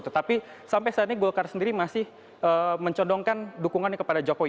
tetapi sampai saat ini golkar sendiri masih mencodongkan dukungannya kepada jokowi